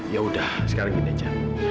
yaudah sekarang gini aja